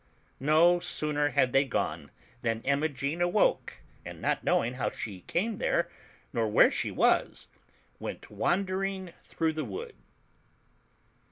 No sooner had they gone than Imogen awoke, and not knowing how she came there, nor where she was, went wandering through the wood.